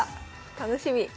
楽しみ。